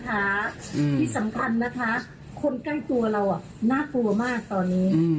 ที่สำคัญนะคะคนใกล้ตัวเราน่ากลัวมากตอนนี้